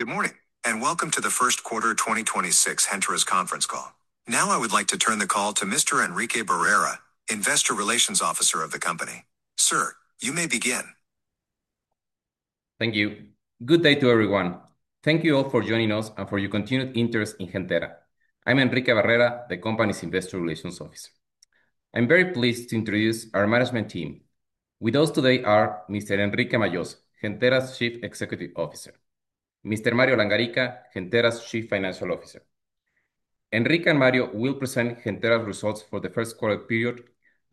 Good morning, and welcome to the first quarter 2026 Gentera's conference call. Now I would like to turn the call to Mr. Enrique Barrera, Investor Relations Officer of the company. Sir, you may begin. Thank you. Good day to everyone. Thank you all for joining us and for your continued interest in Gentera. I'm Enrique Barrera, the company's Investor Relations Officer. I'm very pleased to introduce our management team. With us today are Mr. Enrique Majós, Gentera's Chief Executive Officer, Mr. Mario Langarica, Gentera's Chief Financial Officer. Enrique and Mario will present Gentera's results for the first quarter period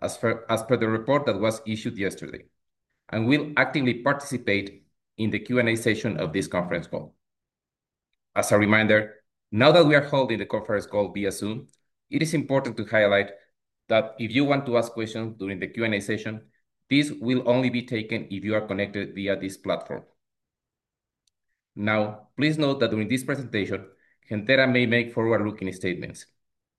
as per the report that was issued yesterday, and will actively participate in the Q&A session of this conference call. As a reminder, now that we are holding the conference call via Zoom, it is important to highlight that if you want to ask questions during the Q&A session, these will only be taken if you are connected via this platform. Now, please note that during this presentation, Gentera may make forward-looking statements.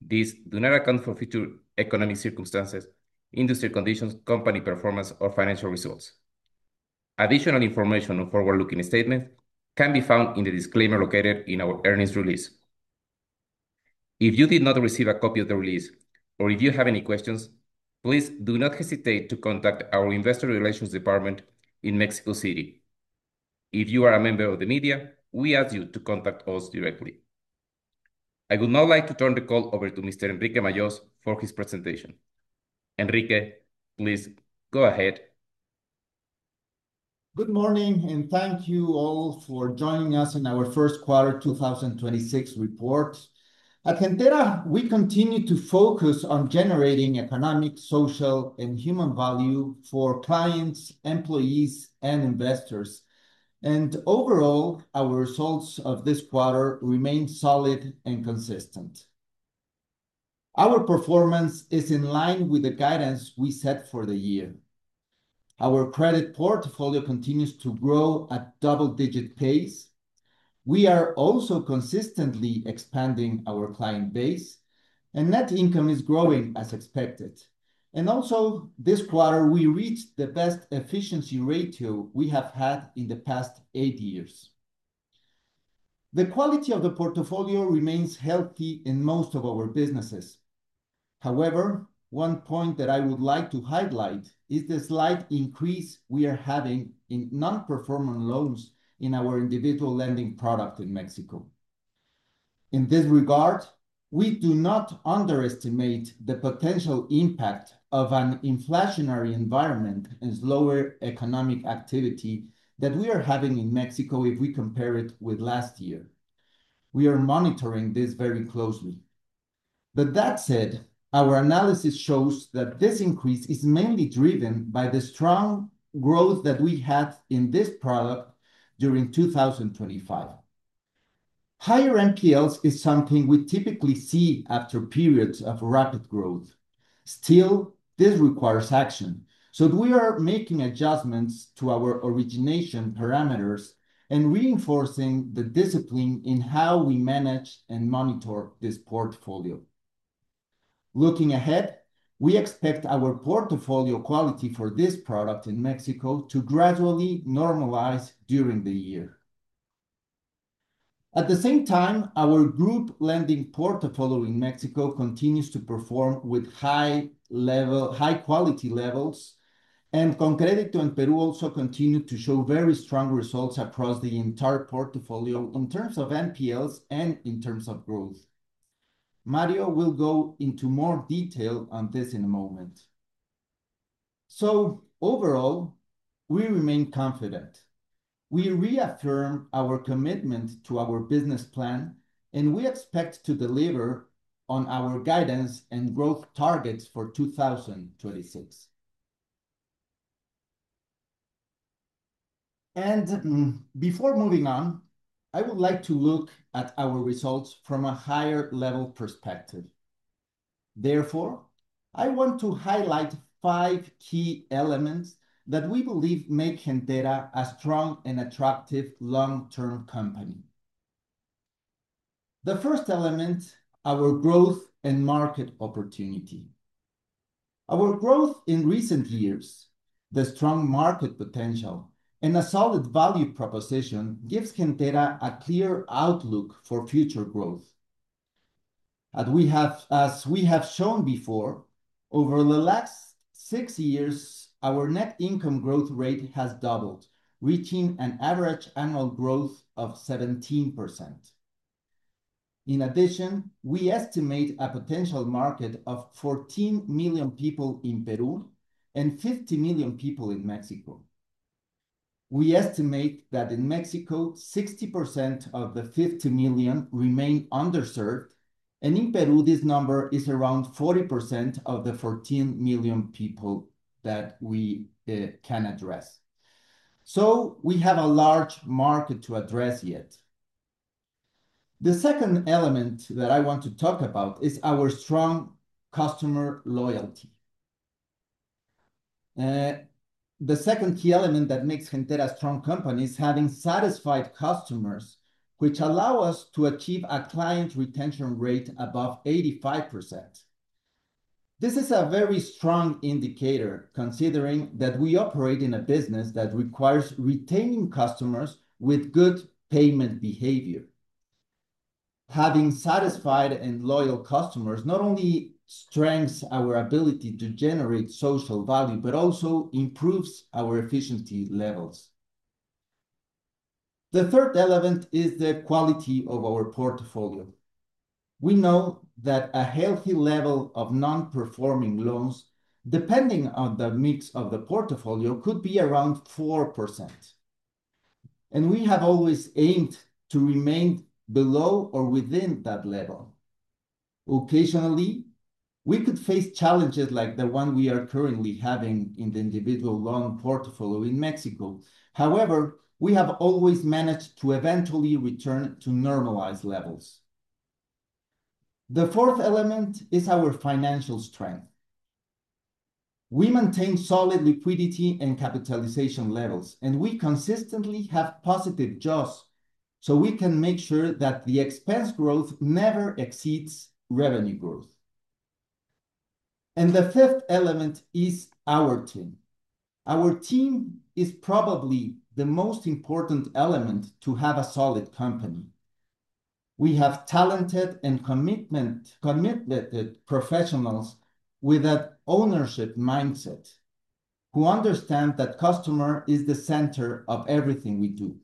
These do not account for future economic circumstances, industry conditions, company performance, or financial results. Additional information on forward-looking statements can be found in the disclaimer located in our earnings release. If you did not receive a copy of the release or if you have any questions, please do not hesitate to contact our investor relations department in Mexico City. If you are a member of the media, we ask you to contact us directly. I would now like to turn the call over to Mr. Enrique Majós for his presentation. Enrique, please go ahead. Good morning, and thank you all for joining us on our first quarter 2026 report. At Gentera, we continue to focus on generating economic, social, and human value for clients, employees, and investors. Overall, our results of this quarter remain solid and consistent. Our performance is in line with the guidance we set for the year. Our credit portfolio continues to grow at double-digit pace. We are also consistently expanding our client base, and net income is growing as expected. Also, this quarter, we reached the best efficiency ratio we have had in the past eight years. The quality of the portfolio remains healthy in most of our businesses. However, one point that I would like to highlight is the slight increase we are having in non-performing loans in our individual lending product in Mexico. In this regard, we do not underestimate the potential impact of an inflationary environment and slower economic activity that we are having in Mexico if we compare it with last year. We are monitoring this very closely. That said, our analysis shows that this increase is mainly driven by the strong growth that we had in this product during 2025. Higher NPLs is something we typically see after periods of rapid growth. Still, this requires action, so we are making adjustments to our origination parameters and reinforcing the discipline in how we manage and monitor this portfolio. Looking ahead, we expect our portfolio quality for this product in Mexico to gradually normalize during the year. At the same time, our group lending portfolio in Mexico continues to perform with high-quality levels, and ConCrédito in Peru also continued to show very strong results across the entire portfolio in terms of NPLs and in terms of growth. Mario will go into more detail on this in a moment. Overall, we remain confident. We reaffirm our commitment to our business plan, and we expect to deliver on our guidance and growth targets for 2026. Before moving on, I would like to look at our results from a higher-level perspective. Therefore, I want to highlight five key elements that we believe make Gentera a strong and attractive long-term company. The first element, our growth and market opportunity. Our growth in recent years, the strong market potential, and a solid value proposition give Gentera a clear outlook for future growth. As we have shown before, over the last six years, our net income growth rate has doubled, reaching an average annual growth of 17%. In addition, we estimate a potential market of 14 million people in Peru and 50 million people in Mexico. We estimate that in Mexico, 60% of the 50 million remain underserved, and in Peru, this number is around 40% of the 14 million people that we can address. We have a large market to address yet. The second element that I want to talk about is our strong customer loyalty. The second key element that makes Gentera a strong company is having satisfied customers, which allow us to achieve a client retention rate above 85%. This is a very strong indicator considering that we operate in a business that requires retaining customers with good payment behavior. Having satisfied and loyal customers not only strengthens our ability to generate social value, but also improves our efficiency levels. The third element is the quality of our portfolio. We know that a healthy level of non-performing loans, depending on the mix of the portfolio, could be around 4%, and we have always aimed to remain below or within that level. Occasionally, we could face challenges like the one we are currently having in the individual loan portfolio in Mexico. However, we have always managed to eventually return to normalized levels. The fourth element is our financial strength. We maintain solid liquidity and capitalization levels, and we consistently have positive jaws, so we can make sure that the expense growth never exceeds revenue growth. The fifth element is our team. Our team is probably the most important element to have a solid company. We have talented and committed professionals with that ownership mindset who understand that customer is the center of everything we do.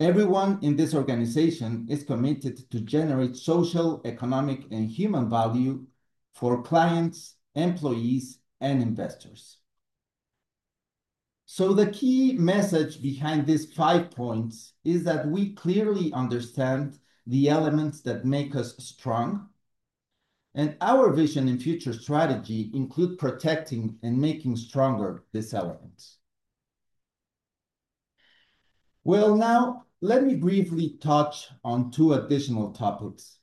Everyone in this organization is committed to generate social, economic, and human value for clients, employees, and investors. The key message behind these five points is that we clearly understand the elements that make us strong, and our vision and future strategy include protecting and making stronger these elements. Well, now let me briefly touch on two additional topics.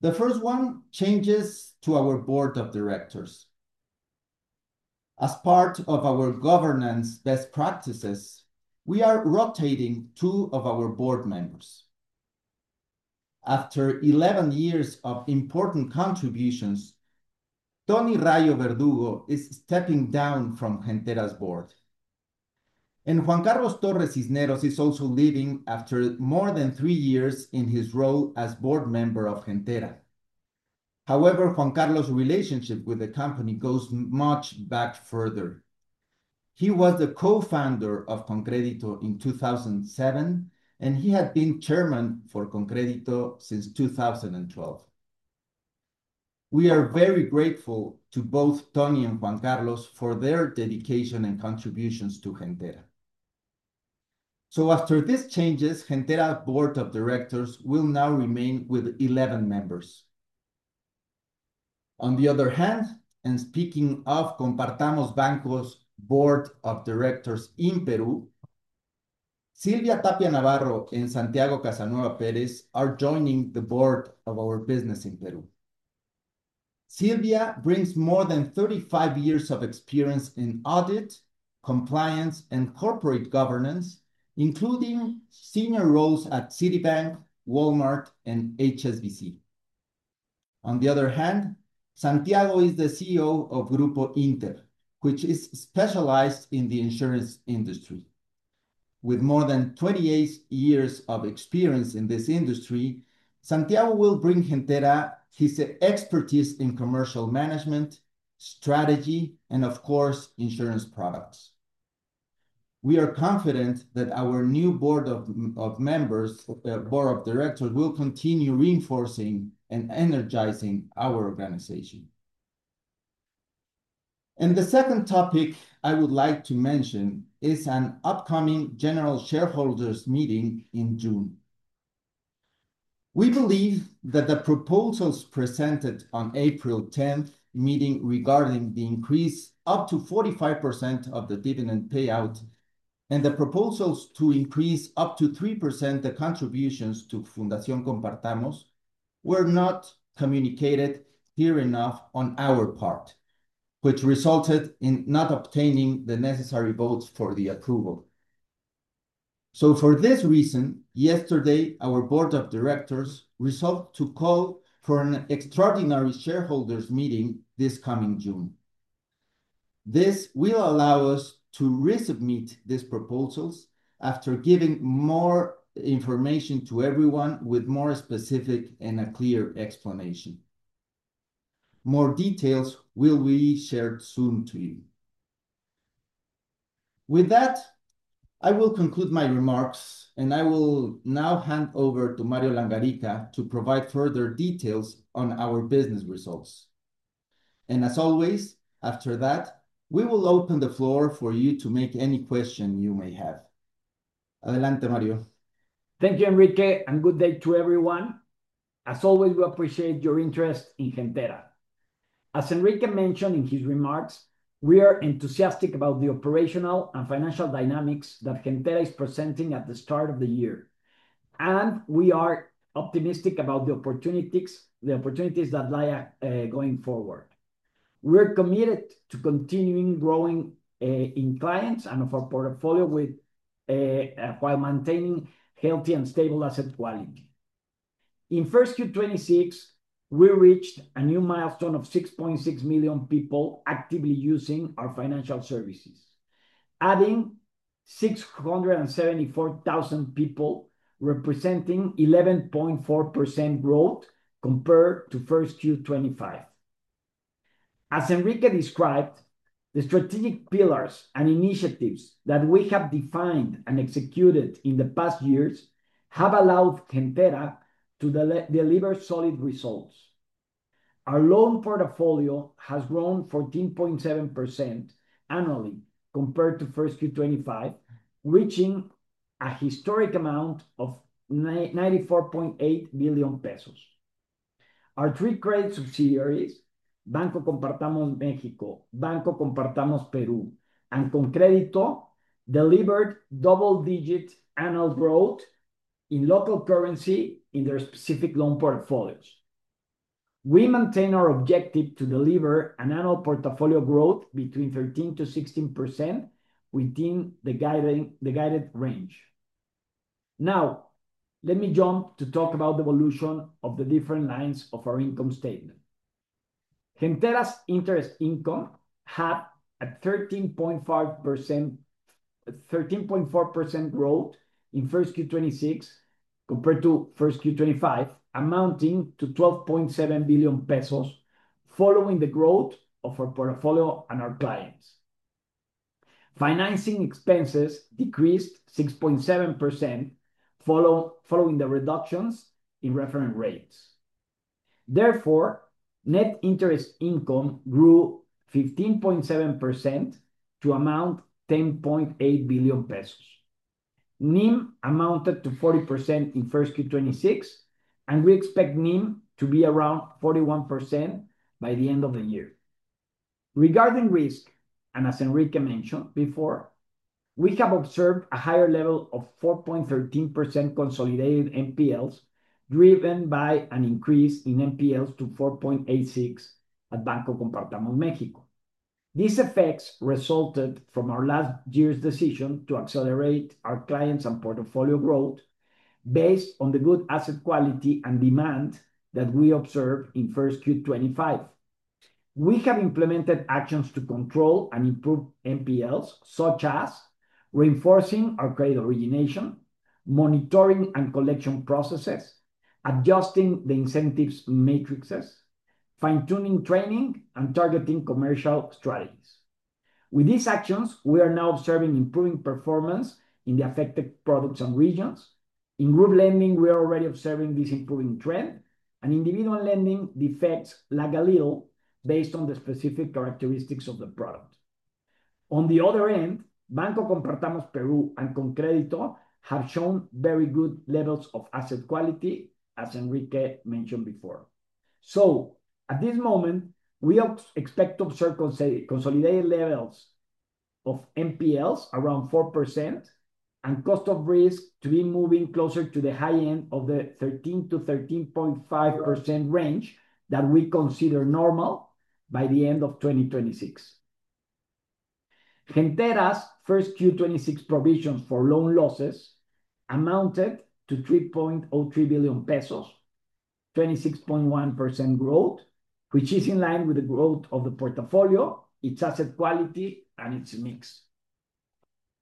The first one is changes to our board of directors. As part of our governance best practices, we are rotating two of our board members. After 11 years of important contributions, Antonio Rallo Verdugo is stepping down from Gentera's board, and Juan Carlos Torres Cisneros is also leaving after more than three years in his role as board member of Gentera. However, Juan Carlos' relationship with the company goes much back further. He was the co-founder of ConCrédito in 2007, and he had been chairman for ConCrédito since 2012. We are very grateful to both Tony and Juan Carlos for their dedication and contributions to Gentera. After these changes, Gentera's Board of Directors will now remain with 11 members. On the other hand, and speaking of Compartamos Financiera's Board of Directors in Peru, Silvia Tapia Navarro and Santiago Casanueva Pérez are joining the board of our business in Peru. Silvia brings more than 35 years of experience in audit, compliance, and corporate governance, including senior roles at Citibank, Walmart, and HSBC. On the other hand, Santiago is the CEO of Grupo INTER, which is specialized in the insurance industry. With more than 28 years of experience in this industry, Santiago will bring Gentera his expertise in commercial management, strategy, and of course, insurance products. We are confident that our new board of directors will continue reinforcing and energizing our organization. The second topic I would like to mention is an upcoming general shareholders meeting in June. We believe that the proposals presented on April 10th meeting regarding the increase up to 45% of the dividend payout and the proposals to increase up to 3% the contributions to Fundación Compartamos were not communicated clear enough on our part, which resulted in not obtaining the necessary votes for the approval. For this reason, yesterday our board of directors resolved to call for an extraordinary shareholders meeting this coming June. This will allow us to resubmit these proposals after giving more information to everyone with more specific and a clear explanation. More details will be shared soon to you. With that, I will conclude my remarks, and I will now hand over to Mario Langarica to provide further details on our business results. As always, after that, we will open the floor for you to make any question you may have. Mario. Thank you, Enrique, and good day to everyone. As always, we appreciate your interest in Gentera. As Enrique mentioned in his remarks, we are enthusiastic about the operational and financial dynamics that Gentera is presenting at the start of the year, and we are optimistic about the opportunities that lie going forward. We're committed to continuing growing in clients and of our portfolio while maintaining healthy and stable asset quality. In Q1 2026, we reached a new milestone of 6.6 million people actively using our financial services, adding 674,000 people, representing 11.4% growth compared to Q1 2025. As Enrique described, the strategic pillars and initiatives that we have defined and executed in the past years have allowed Gentera to deliver solid results. Our loan portfolio has grown 14.7% annually compared to Q1 2025, reaching a historic amount of 94.8 billion pesos. Our three great subsidiaries, Banco Compartamos México, Banco Compartamos Perú, and ConCrédito, delivered double-digit annual growth in local currency in their specific loan portfolios. We maintain our objective to deliver annual portfolio growth between 13%-16% within the guided range. Now, let me jump to talk about the evolution of the different lines of our income statement. Gentera's interest income had a 13.4% growth in Q1 2026 compared to Q1 2025, amounting to 12.7 billion pesos, following the growth of our portfolio and our clients. Financing expenses decreased 6.7% following the reductions in reference rates. Therefore, net interest income grew 15.7% to amount to 10.8 billion pesos. NIM amounted to 40% in Q1 2026, and we expect NIM to be around 41% by the end of the year. Regarding risk, as Enrique mentioned before, we have observed a higher level of 4.13% consolidated NPLs, driven by an increase in NPLs to 4.86% at Banco Compartamos México. These effects resulted from our last year's decision to accelerate our clients and portfolio growth based on the good asset quality and demand that we observed in Q1 2025. We have implemented actions to control and improve NPLs, such as reinforcing our credit origination, monitoring and collection processes, adjusting the incentive matrices, fine-tuning training, and targeting commercial strategies. With these actions, we are now observing improving performance in the affected products and regions. In group lending, we are already observing this improving trend, and individual lending defects lag a little based on the specific characteristics of the product. On the other end, Banco Compartamos Perú and ConCrédito have shown very good levels of asset quality, as Enrique mentioned before. At this moment, we expect to observe consolidated levels of NPLs around 4% and cost of risk to be moving closer to the high end of the 13%-13.5% range that we consider normal by the end of 2026. Gentera's Q1 2026 provisions for loan losses amounted to 3.03 billion pesos, 26.1% growth, which is in line with the growth of the portfolio, its asset quality, and its mix.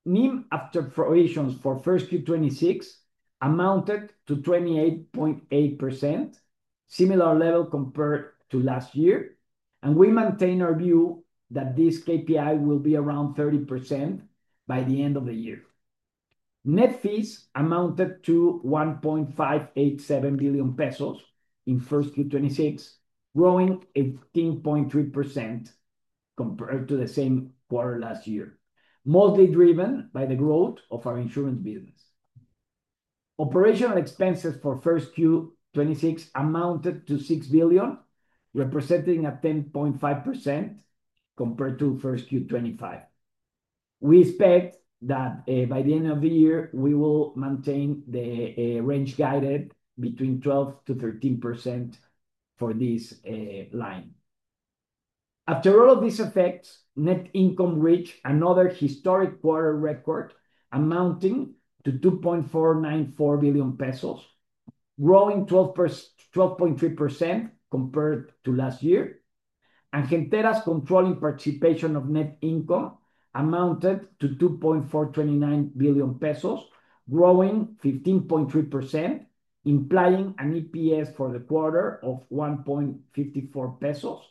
NIM after provisions for Q1 2026 amounted to 28.8%, similar level compared to last year, and we maintain our view that this KPI will be around 30% by the end of the year. Net fees amounted to 1.587 billion pesos in Q1 2026, growing 18.3% compared to the same quarter last year, mostly driven by the growth of our insurance business. Operational expenses for Q1 2026 amounted to 6 billion, representing a 10.5% compared to Q1 2025. We expect that by the end of the year, we will maintain the range guided between 12%-13% for this line. Despite all this, net income reached another historic quarterly record amounting to 2.494 billion pesos, growing 12.3% compared to last year, and Gentera's controlling participation of net income amounted to 2.429 billion pesos, growing 15.3%, implying an EPS for the quarter of 1.54 pesos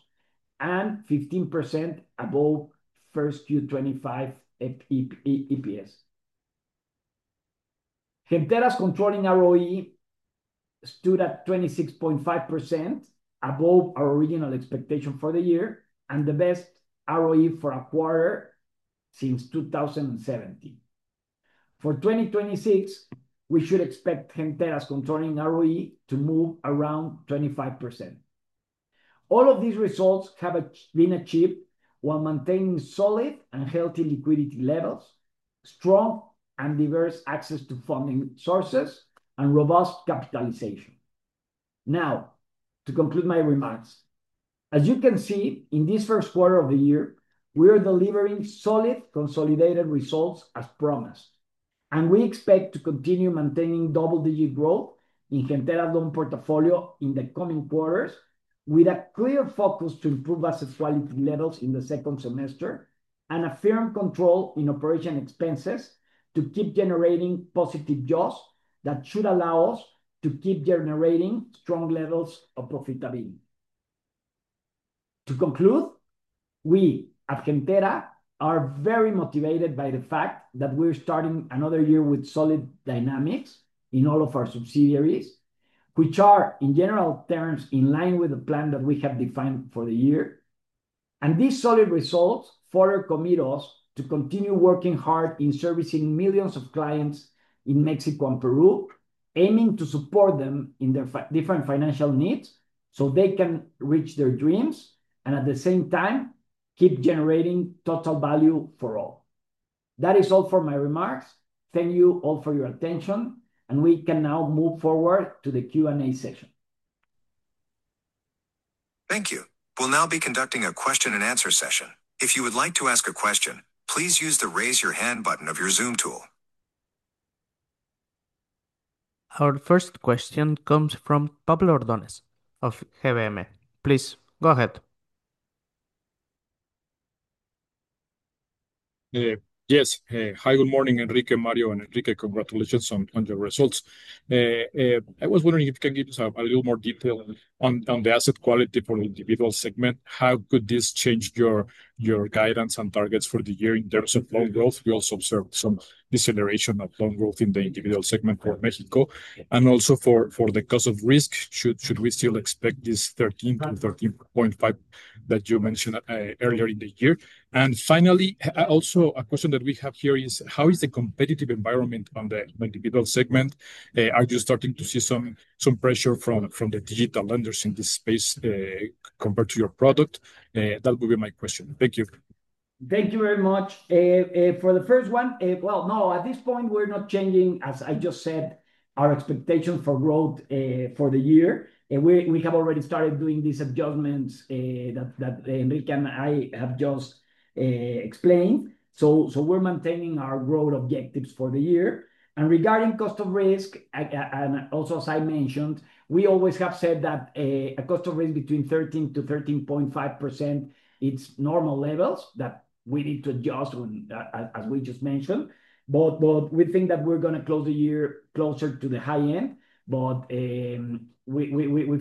and 15% above Q1 2025 EPS. Gentera's controlling ROE stood at 26.5%, above our original expectation for the year, and the best ROE for a quarter since 2017. For 2026, we should expect Gentera's controlling ROE to move around 25%. All of these results have been achieved while maintaining solid and healthy liquidity levels. Strong and diverse access to funding sources and robust capitalization. Now, to conclude my remarks, as you can see, in this first quarter of the year, we are delivering solid consolidated results as promised, and we expect to continue maintaining double-digit growth in Gentera loan portfolio in the coming quarters with a clear focus to improve asset quality levels in the second semester, and a firm control in operating expenses to keep generating positive jaws that should allow us to keep generating strong levels of profitability. To conclude, we at Gentera are very motivated by the fact that we're starting another year with solid dynamics in all of our subsidiaries, which are, in general terms, in line with the plan that we have defined for the year. These solid results further commit us to continue working hard in servicing millions of clients in Mexico and Peru, aiming to support them in their different financial needs so they can reach their dreams, and at the same time, keep generating total value for all. That is all for my remarks. Thank you all for your attention, and we can now move forward to the Q&A session. Thank you. We'll now be conducting a question and answer session. If you would like to ask a question, please use the raise your hand button of your Zoom tool. Our first question comes from Pablo Ordóñez of GBM. Please, go ahead. Yes. Hi. Good morning, Enrique, Mario. Enrique, congratulations on your results. I was wondering if you can give us a little more detail on the asset quality for individual segment. How could this change your guidance and targets for the year in terms of loan growth? We also observed some deceleration of loan growth in the individual segment for Mexico. Also for the cost of risk, should we still expect this 13%-13.5% that you mentioned earlier in the year? Finally, also a question that we have here is, how is the competitive environment on the individual segment? Are you starting to see some pressure from the digital lenders in this space, compared to your product? That would be my question. Thank you. Thank you very much. For the first one, well, no, at this point, we're not changing, as I just said, our expectation for growth for the year. We have already started doing these adjustments that Enrique and I have just explained. We're maintaining our growth objectives for the year. Regarding cost of risk, and also as I mentioned, we always have said that a cost of risk between 13%-13.5%, it's normal levels that we need to adjust as we just mentioned. We think that we're going to close the year closer to the high end. We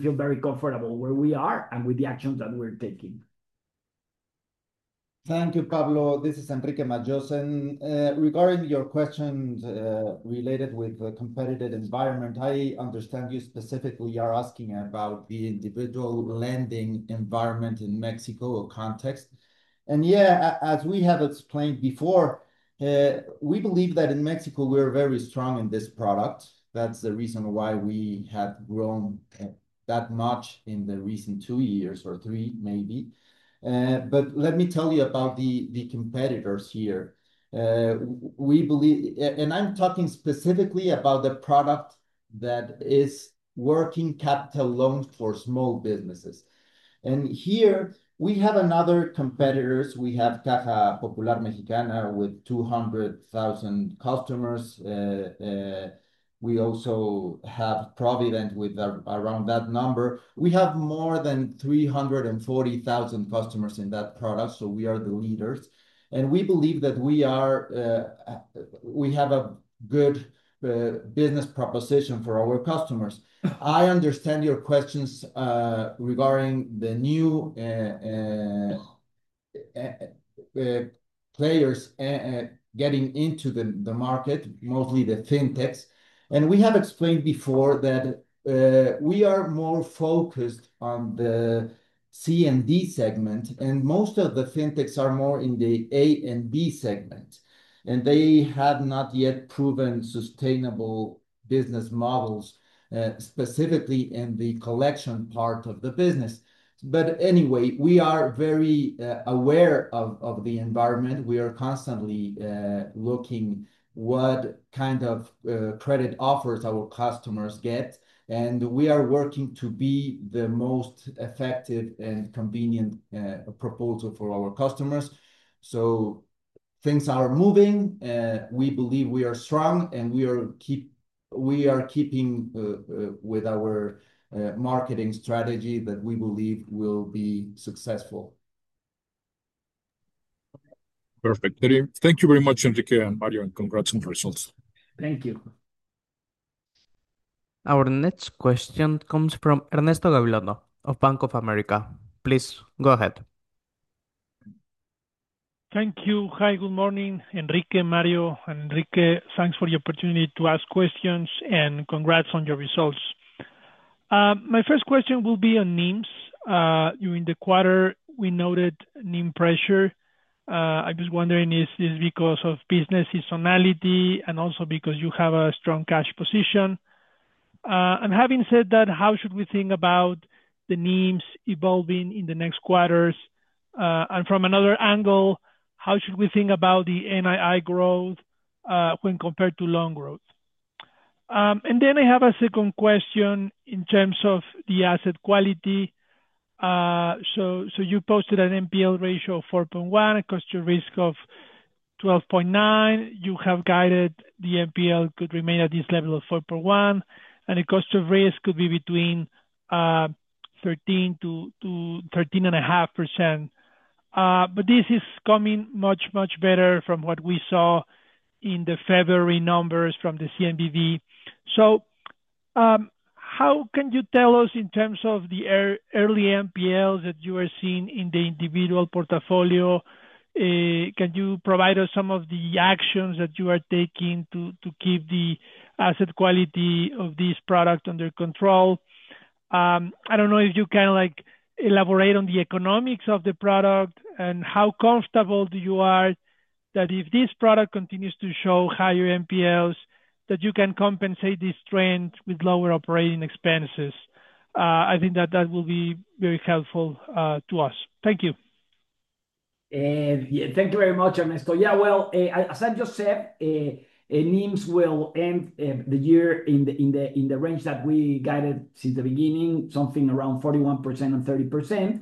feel very comfortable where we are and with the actions that we're taking. Thank you, Pablo. This is Enrique Majós. Regarding your questions related with the competitive environment, I understand you specifically are asking about the individual lending environment in Mexico or context. Yeah, as we have explained before, we believe that in Mexico, we're very strong in this product. That's the reason why we have grown that much in the recent two years or three maybe. Let me tell you about the competitors here. I'm talking specifically about the product that is working capital loans for small businesses. Here we have other competitors. We have Caja Popular Mexicana with 200,000 customers. We also have Provident with around that number. We have more than 340,000 customers in that product, so we are the leaders. We believe that we have a good business proposition for our customers. I understand your questions regarding the new players getting into the market, mostly the fintechs, and we have explained before that we are more focused on the C and D segment, and most of the fintechs are more in the A and B segment, and they have not yet proven sustainable business models, specifically in the collection part of the business. We are very aware of the environment. We are constantly looking what kind of credit offers our customers get, and we are working to be the most effective and convenient proposal for our customers. Things are moving. We believe we are strong, and we are keeping with our marketing strategy that we believe will be successful. Perfect. Thank you very much, Enrique and Mario, and congrats on the results. Thank you. Our next question comes from Ernesto Gabilondo of Bank of America. Please go ahead. Thank you. Hi, good morning, Enrique, Mario. Enrique, thanks for the opportunity to ask questions, and congrats on your results. My first question will be on NIMs. During the quarter, we noted NIM pressure. I'm just wondering, is this because of business seasonality, and also because you have a strong cash position? Having said that, how should we think about the NIMs evolving in the next quarters? From another angle, how should we think about the NII growth, when compared to loan growth? I have a second question in terms of the asset quality. You posted an NPL ratio of 4.1%, a cost of risk of 12.9%. You have guided the NPL could remain at this level of 4.1%, and the cost of risk could be between 13%-13.5%. This is coming much, much better from what we saw in the February numbers from the CNBV. How can you tell us in terms of the early NPL that you are seeing in the individual portfolio, can you provide us some of the actions that you are taking to keep the asset quality of this product under control? I don't know if you can elaborate on the economics of the product and how comfortable you are that if this product continues to show higher NPLs, that you can compensate this trend with lower operating expenses. I think that will be very helpful to us. Thank you. Thank you very much, Ernesto. Yeah, well, as I just said, NIMs will end the year in the range that we guided since the beginning, something around 41% and 30%.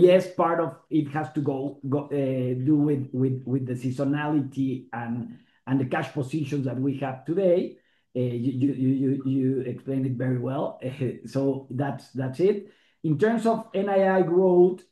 Yes, part of it has to do with the seasonality and the cash positions that we have today. You explained it very well. That's it. In terms of NII growth,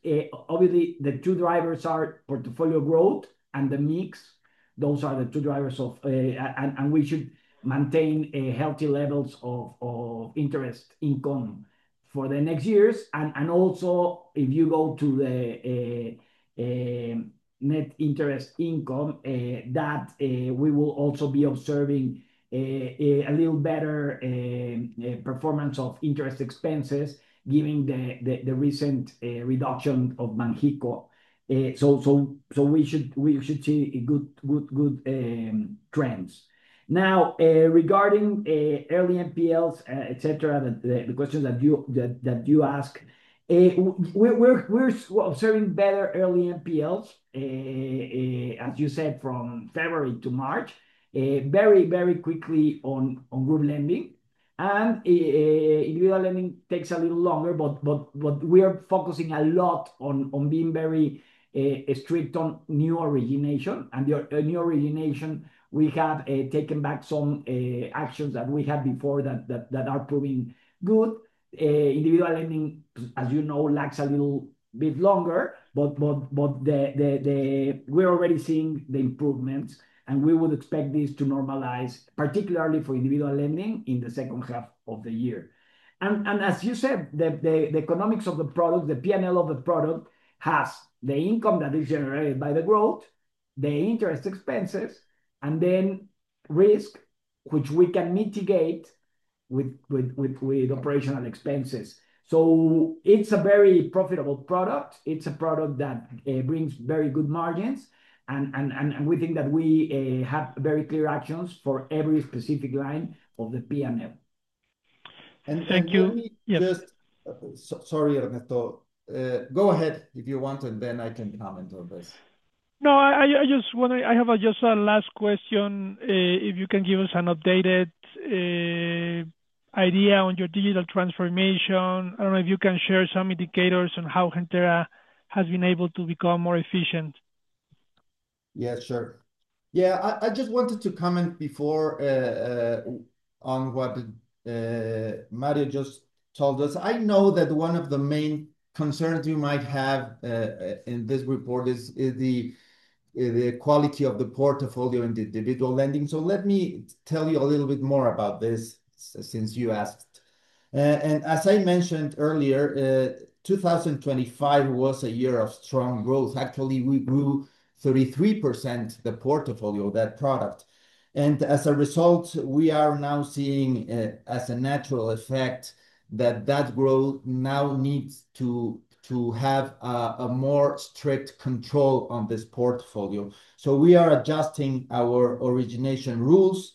obviously the two drivers are portfolio growth and the mix. Those are the two drivers. We should maintain healthy levels of interest income for the next years. Also if you go to the net interest income, that we will also be observing a little better performance of interest expenses given the recent reduction of Banxico. We should see good trends. Now, regarding early NPLs, et cetera, the questions that you ask, we're observing better early NPLs, as you said, from February to March, very, very quickly on group lending. Individual lending takes a little longer, but we are focusing a lot on being very strict on new origination, we have taken back some actions that we had before that are proving good. Individual lending, as you know, lags a little bit longer, but we're already seeing the improvements, and we would expect this to normalize, particularly for individual lending in the second half of the year. As you said, the economics of the product, the P&L of the product, has the income that is generated by the growth, the interest expenses, and then risk, which we can mitigate with operational expenses. It's a very profitable product. It's a product that brings very good margins, and we think that we have very clear actions for every specific line of the P&L. Thank you. Yes. Sorry, Ernesto. Go ahead if you want, and then I can comment on this. No, I have just a last question. If you can give us an updated idea on your digital transformation, or if you can share some indicators on how Gentera has been able to become more efficient. Yeah, sure. I just wanted to comment before, on what Mario just told us. I know that one of the main concerns you might have, in this report is the quality of the portfolio and the individual lending. Let me tell you a little bit more about this since you asked. As I mentioned earlier, 2025 was a year of strong growth. Actually, we grew 33% the portfolio, that product. As a result, we are now seeing as a natural effect, that growth now needs to have a more strict control on this portfolio. We are adjusting our origination rules.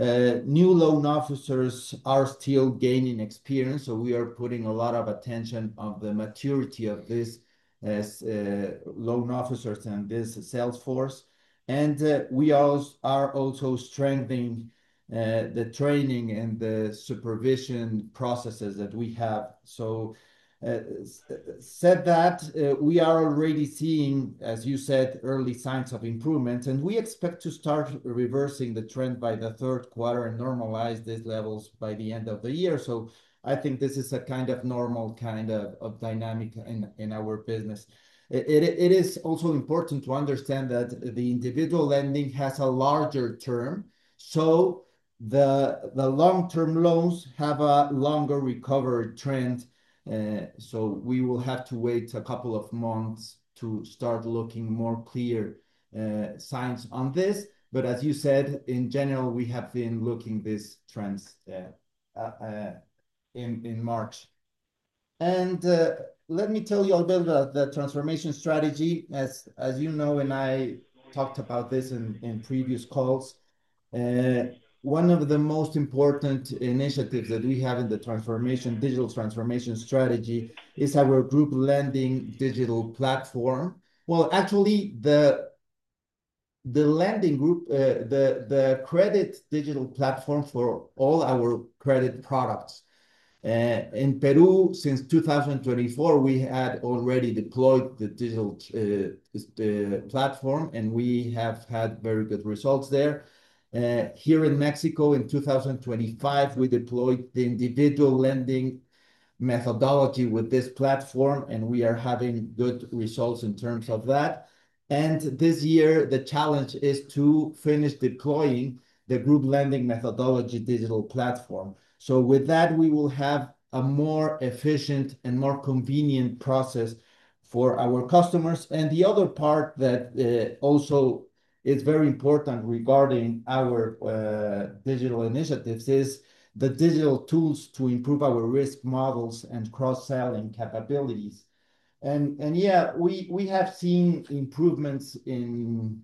New loan officers are still gaining experience, so we are putting a lot of attention on the maturity of these loan officers and this sales force. We are also strengthening the training and the supervision processes that we have. That said, we are already seeing, as you said, early signs of improvement, and we expect to start reversing the trend by the third quarter and normalize these levels by the end of the year. I think this is a kind of normal kind of dynamic in our business. It is also important to understand that the individual lending has a larger term, so the long-term loans have a longer recovery trend. We will have to wait a couple of months to start looking more clear signs on this. As you said, in general, we have been seeing these trends in March. Let me tell you a little about the transformation strategy. As you know, and I talked about this in previous calls, one of the most important initiatives that we have in the digital transformation strategy is our group lending digital platform. Well, actually, the lending group, the credit digital platform for all our credit products. In Peru, since 2024, we had already deployed the digital platform, and we have had very good results there. Here in Mexico, in 2025, we deployed the individual lending methodology with this platform, and we are having good results in terms of that. This year, the challenge is to finish deploying the group lending methodology digital platform. With that, we will have a more efficient and more convenient process for our customers. The other part that also is very important regarding our digital initiatives is the digital tools to improve our risk models and cross-selling capabilities. Yeah, we have seen improvements in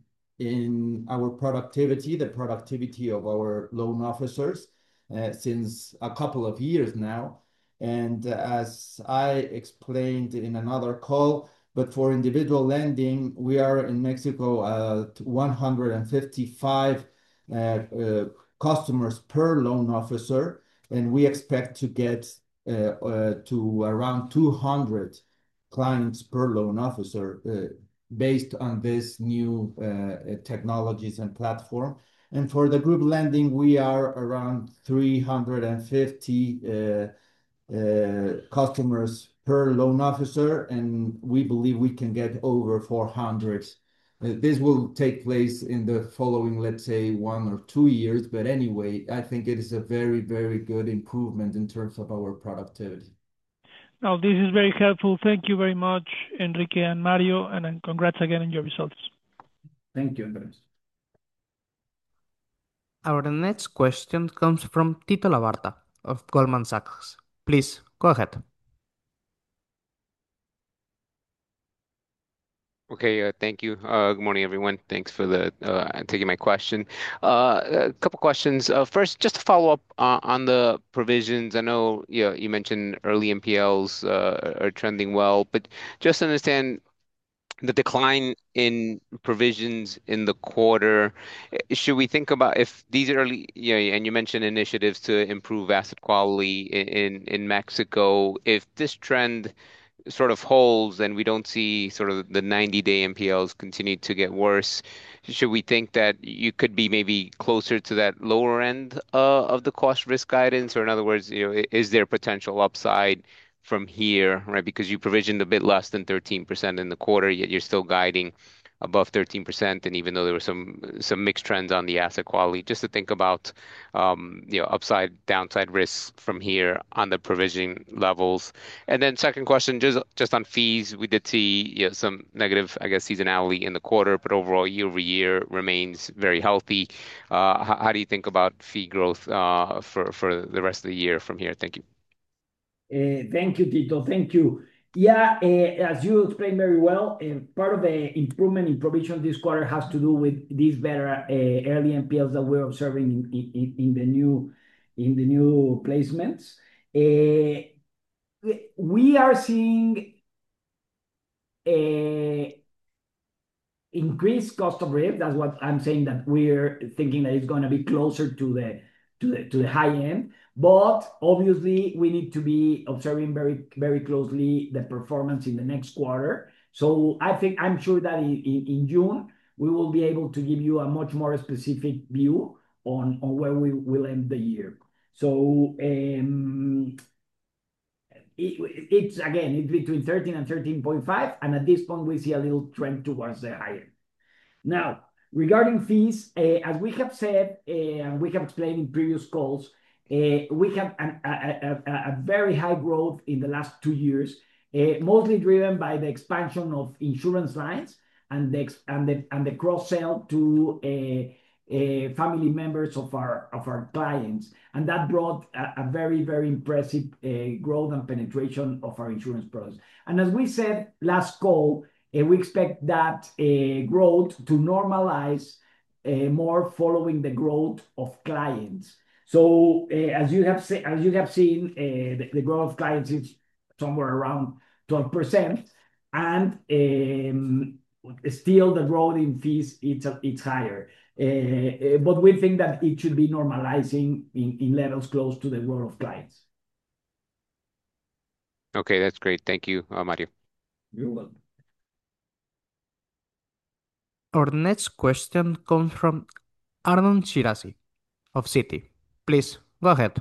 our productivity, the productivity of our loan officers, since a couple of years now, and as I explained in another call, but for individual lending, we are in Mexico at 155 customers per loan officer, and we expect to get to around 200 clients per loan officer based on this new technologies and platform. For the group lending, we are around 350 customers per loan officer, and we believe we can get over 400. This will take place in the following, let's say, one or two years. Anyway, I think it is a very good improvement in terms of our productivity. No, this is very helpful. Thank you very much, Enrique and Mario, and then congrats again on your results. Thank you, Ernesto. Our next question comes from Tito Labarta of Goldman Sachs. Please go ahead. Okay. Thank you. Good morning, everyone. Thanks for taking my question. A couple of questions. First, just to follow up on the provisions. I know you mentioned early NPLs are trending well, but just to understand the decline in provisions in the quarter, should we think about, you mentioned initiatives to improve asset quality in Mexico. If this trend sort of holds and we don't see sort of the 90-day NPLs continue to get worse, should we think that you could be maybe closer to that lower end of the cost of risk guidance? Or in other words, is there potential upside from here, right? Because you provisioned a bit less than 13% in the quarter, yet you're still guiding above 13%, and even though there were some mixed trends on the asset quality, just to think about upside, downside risks from here on the provisioning levels. Second question, just on fees. We did see some negative, I guess, seasonality in the quarter, but overall year-over-year remains very healthy. How do you think about fee growth for the rest of the year from here? Thank you. Thank you, Tito. Thank you. Yeah, as you explained very well, part of the improvement in provision this quarter has to do with these better early NPLs that we're observing in the new placements. We are seeing increased cost of risk. That's what I'm saying, that we're thinking that it's going to be closer to the high end. Obviously, we need to be observing very closely the performance in the next quarter. I'm sure that in June, we will be able to give you a much more specific view on where we will end the year. It's again, between 13% and 13.5%, and at this point, we see a little trend towards the higher. Now, regarding fees, as we have said, and we have explained in previous calls, we have a very high growth in the last two years, mostly driven by the expansion of insurance lines and the cross-sale to family members of our clients. That brought a very impressive growth and penetration of our insurance products. As we said last call, we expect that growth to normalize more following the growth of clients. As you have seen, the growth of clients is somewhere around 12%, and still the growth in fees, it's higher. We think that it should be normalizing in levels close to the growth of clients. Okay. That's great. Thank you, Mario. You're welcome. Our next question comes from Arnon Shirazi of Citi. Please go ahead.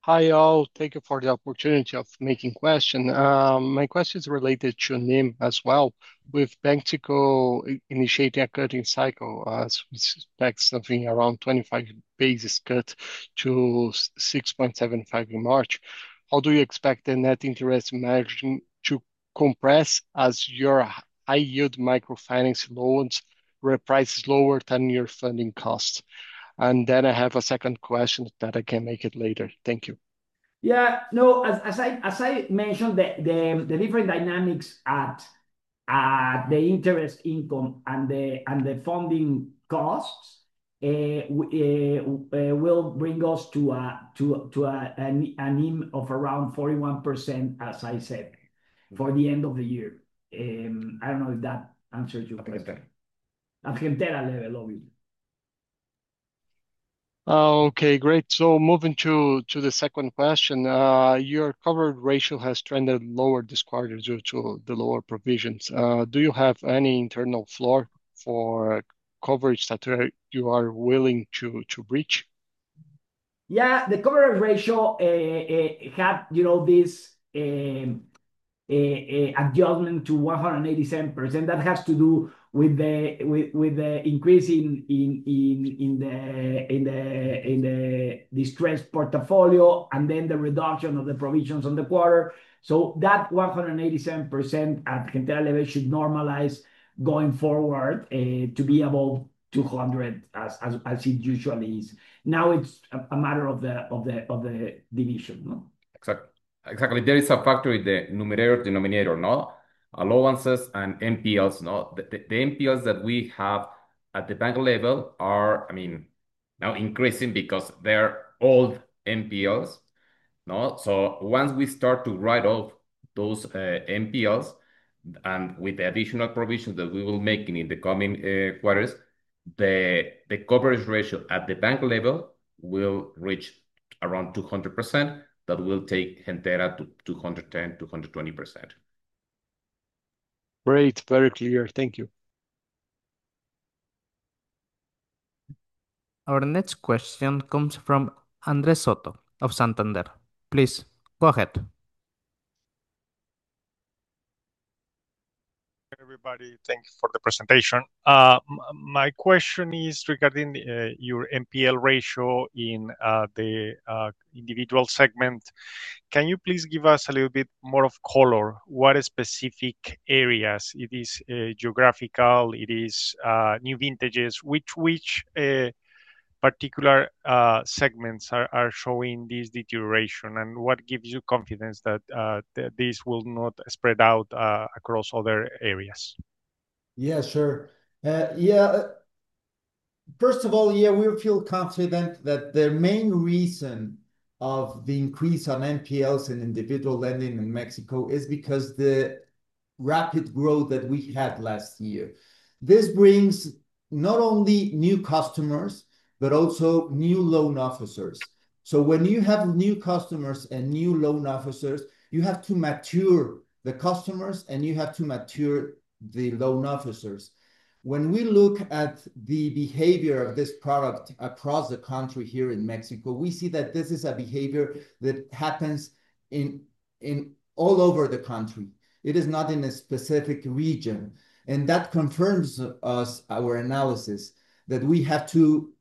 Hi, all. Thank you for the opportunity of making question. My question is related to NIM as well. With Banxico initiating a cutting cycle, we suspect something around 25 basis points cut to 6.75 in March. How do you expect the net interest margin to compress as your high-yield microfinance loans reprice lower than your funding costs? And then I have a second question that I can make it later. Thank you. Yeah, no. As I mentioned, the different dynamics at the interest income and the funding costs will bring us to a NIM of around 41%, as I said, for the end of the year. I don't know if that answered your question. Okay. At Gentera level, obviously. Okay, great. Moving to the second question. Your coverage ratio has trended lower this quarter due to the lower provisions. Do you have any internal floor for coverage that you are willing to breach? Yeah. The coverage ratio had this adjustment to 187%. That has to do with the increase in the distressed portfolio and then the reduction of the provisions on the quarter. That 187% at Gentera level should normalize going forward to be above 200%, as it usually is. Now, it's a matter of the division. Exactly. There is a factor in allowances and NPLs. The NPLs that we have at the bank level are now increasing because they're old NPLs. Once we start to write off those NPLs, and with the additional provisions that we will make in the coming quarters, the coverage ratio at the bank level will reach around 200%. That will take Gentera to 210%-220%. Great. Very clear. Thank you. Our next question comes from Andrés Soto of Santander. Please go ahead. Everybody, thank you for the presentation. My question is regarding your NPL ratio in the individual segment. Can you please give us a little bit more of color? What specific areas? Is it geographical? Is it new vintages? Which particular segments are showing this deterioration, and what gives you confidence that this will not spread out across other areas? Yeah, sure. First of all, we feel confident that the main reason of the increase on NPLs in individual lending in Mexico is because of the rapid growth that we had last year. This brings not only new customers, but also new loan officers. When you have new customers and new loan officers, you have to mature the customers, and you have to mature the loan officers. When we look at the behavior of this product across the country here in Mexico, we see that this is a behavior that happens all over the country. It is not in a specific region. That confirms our analysis, that we have to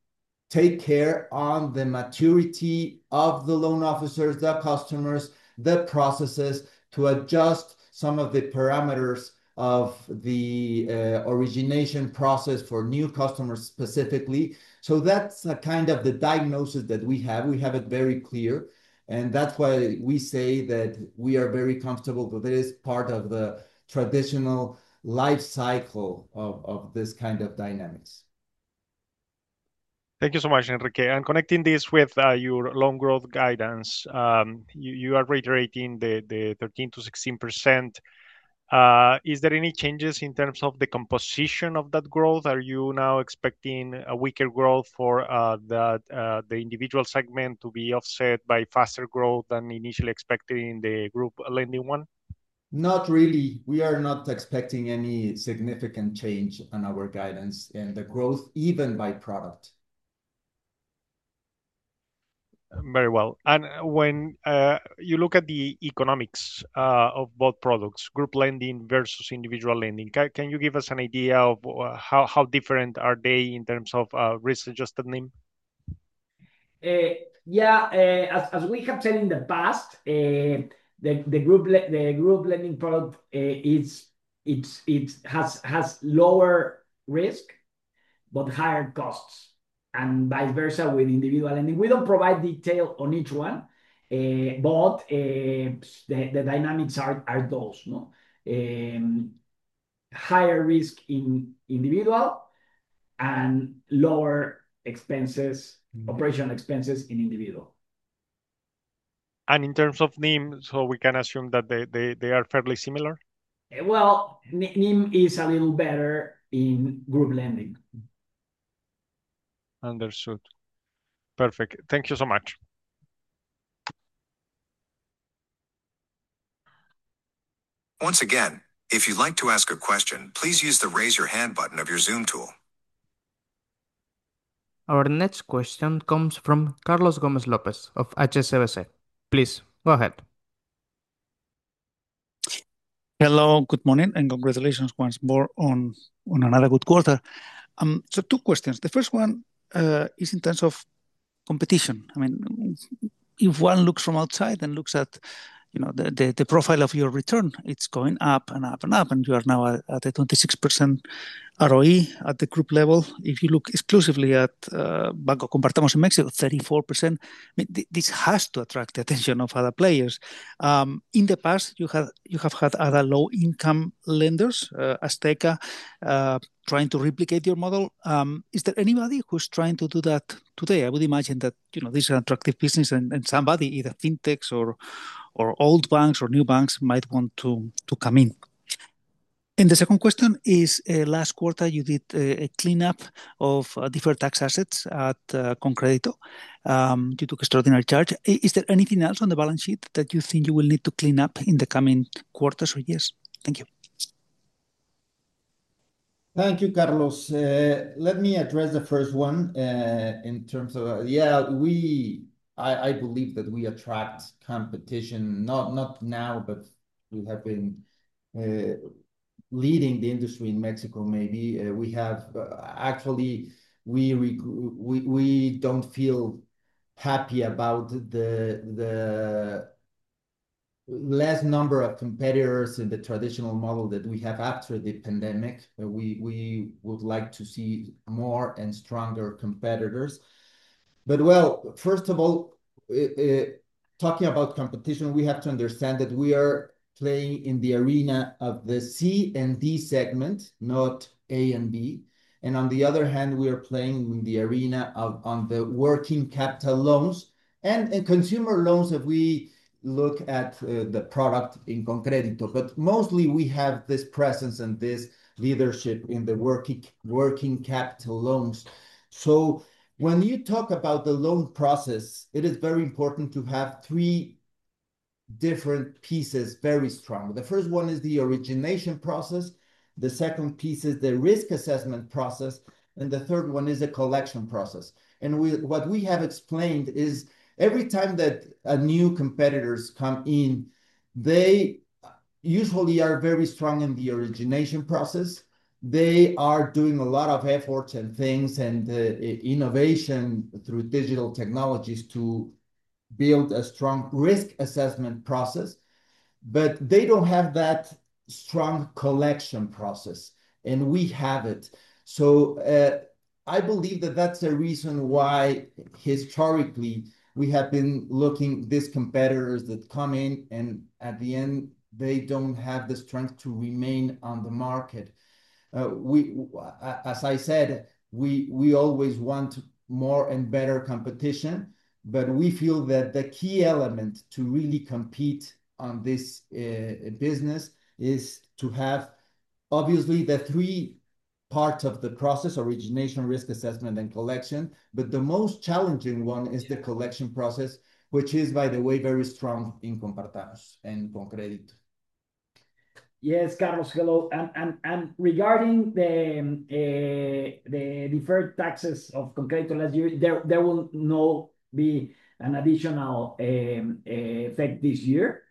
take care on the maturity of the loan officers, the customers, the processes to adjust some of the parameters of the origination process for new customers specifically. That's kind of the diagnosis that we have. We have it very clear, and that's why we say that we are very comfortable that it is part of the traditional life cycle of this kind of dynamics. Thank you so much, Enrique. Connecting this with your loan growth guidance, you are reiterating the 13%-16%. Are there any changes in terms of the composition of that growth? Are you now expecting a weaker growth for the individual segment to be offset by faster growth than initially expected in the group lending one? Not really. We are not expecting any significant change on our guidance and the growth, even by product. Very well. When you look at the economics of both products, group lending versus individual lending, can you give us an idea of how different are they in terms of risk-adjusted NIM? Yeah. As we have said in the past, the group lending product has lower risk but higher costs, and vice versa with individual lending. We don't provide detail on each one, but the dynamics are those. Higher risk in individual, and lower operational expenses in individual. In terms of NIM, so we can assume that they are fairly similar? Well, NIM is a little better in group lending. Understood. Perfect. Thank you so much. Once again, if you'd like to ask a question, please use the raise your hand button of your Zoom tool. Our next question comes from Carlos Gomez-Lopez of HSBC. Please go ahead. Hello. Good morning, and congratulations once more on another good quarter. Two questions. The first one is in terms of competition. If one looks from outside and looks at the profile of your return, it's going up and up and up, and you are now at a 26% ROE at the group level. If you look exclusively at Banco Compartamos in Mexico, 34%. This has to attract the attention of other players. In the past you have had other low-income lenders, Azteca, trying to replicate your model. Is there anybody who's trying to do that today? I would imagine that this is an attractive business and somebody, either fintechs or old banks or new banks, might want to come in. The second question is, last quarter you did a cleanup of deferred tax assets at ConCrédito. You took an extraordinary charge. Is there anything else on the balance sheet that you think you will need to clean up in the coming quarters or years? Thank you. Thank you, Carlos. Let me address the first one. I believe that we attract competition, not now, but we have been leading the industry in Mexico, maybe. Actually, we don't feel happy about the less number of competitors in the traditional model that we have after the pandemic. We would like to see more and stronger competitors. Well, first of all, talking about competition, we have to understand that we are playing in the arena of the C and D segment, not A and B. On the other hand, we are playing in the arena of on the working capital loans and consumer loans, if we look at the product in ConCrédito. But mostly we have this presence and this leadership in the working capital loans. When you talk about the loan process, it is very important to have three different pieces very strong. The first one is the origination process, the second piece is the risk assessment process, and the third one is the collection process. What we have explained is every time that new competitors come in, they usually are very strong in the origination process. They are doing a lot of efforts and things and innovation through digital technologies to build a strong risk assessment process. They don't have that strong collection process, and we have it. I believe that that's the reason why historically, we have been looking these competitors that come in and at the end, they don't have the strength to remain on the market. As I said, we always want more and better competition, but we feel that the key element to really compete on this business is to have obviously the three parts of the process, origination, risk assessment and collection. The most challenging one is the collection process, which is, by the way, very strong in Compartamos and ConCrédito. Yes, Carlos. Hello. Regarding the deferred taxes of ConCrédito last year, there will not be an additional effect this year.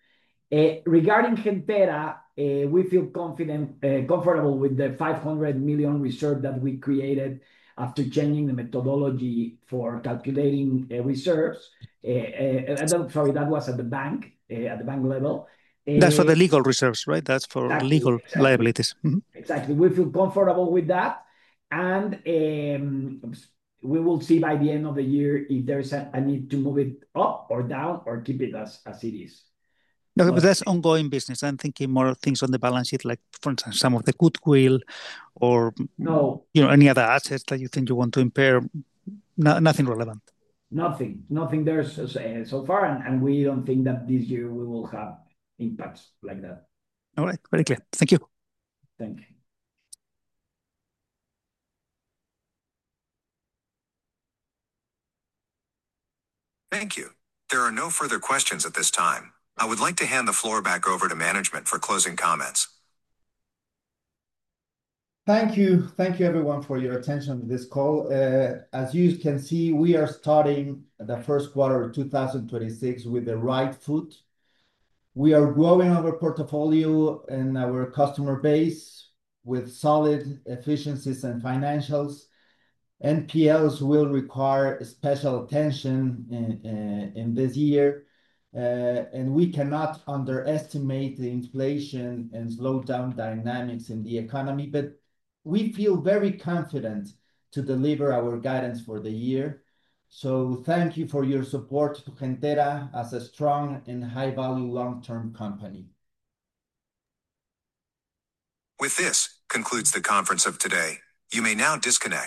Regarding Gentera, we feel comfortable with the 500 million reserve that we created after changing the methodology for calculating reserves. Sorry, that was at the bank level. That's for the legal reserves, right? That's for legal liabilities. Mm-hmm. Exactly. We feel comfortable with that. We will see by the end of the year if there's a need to move it up or down or keep it as it is. No, but that's ongoing business. I'm thinking more of things on the balance sheet, like for instance, some of the goodwill or No Any other assets that you think you want to impair. Nothing relevant. Nothing there so far, and we don't think that this year we will have impacts like that. All right. Very clear. Thank you. Thank you. Thank you. There are no further questions at this time. I would like to hand the floor back over to management for closing comments. Thank you. Thank you everyone for your attention to this call. As you can see, we are starting the first quarter of 2026 with the right foot. We are growing our portfolio and our customer base with solid efficiencies and financials. NPLs will require special attention in this year. We cannot underestimate the inflation and slowdown dynamics in the economy. We feel very confident to deliver our guidance for the year. Thank you for your support to Gentera as a strong and high-value long-term company. With this, concludes the conference of today. You may now disconnect.